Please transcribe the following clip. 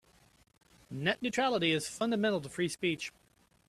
Net neutrality is fundamental to free speech.